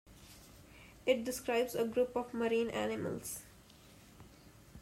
It describes a group of marine animals.